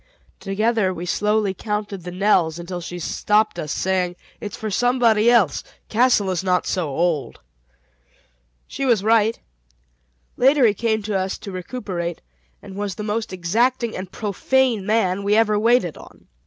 Together we slowly counted the knells until she stopped us, saying, "It's for somebody else; Castle is not so old." She was right. Later he came to us to recuperate, and was the most exacting and profane man we ever waited on.